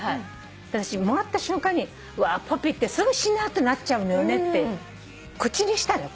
私もらった瞬間に「うわポピーってすぐしなっとなっちゃうのよね」って口にしたのよ。